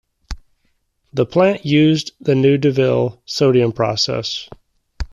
The plant used the new Deville sodium process.